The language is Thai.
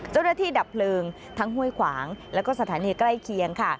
เจ้าหน้าที่ดับเพลิงทั้งห้วยขวางแล้วก็สถานีใกล้เคียงค่ะ